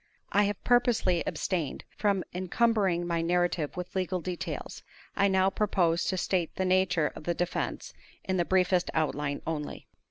I have purposely abstained from encumbering my narrative with legal details. I now propose to state the nature of the defense in the briefest outline only.